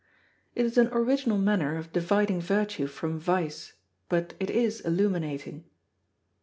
It is an original manner of dividing virtue from vice, but it is illuminating.